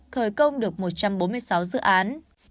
khởi công được một trăm bốn mươi sáu dự án